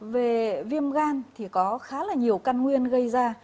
về viêm gan thì có khá là nhiều căn nguyên gây ra